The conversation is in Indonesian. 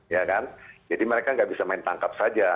ya kan jadi mereka nggak bisa main tangkap saja